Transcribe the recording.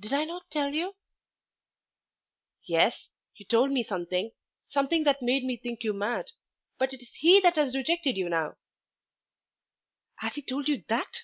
"Did I not tell you?" "Yes; you told me something something that made me think you mad. But it is he that has rejected you now!" "Has he told you that?"